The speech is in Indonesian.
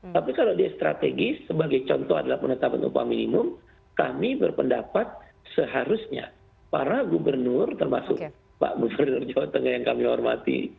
tapi kalau dia strategis sebagai contoh adalah penetapan upah minimum kami berpendapat seharusnya para gubernur termasuk pak gubernur jawa tengah yang kami hormati